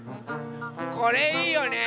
これいいよね。